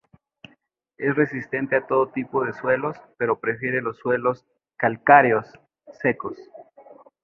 Es resistente a todo tipo de suelos, pero prefiere los suelos calcáreos, secos.